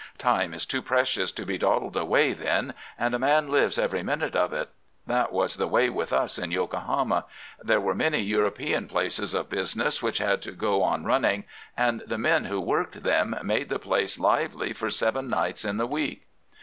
Time is too precious to be dawdled away then, and a man lives every minute of it. That was the way with us in Yokohama. There were many European places of business which had to go on running, and the men who worked them made the place lively for seven nights in the week.